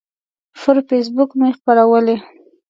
پر فیسبوک مې خپرولی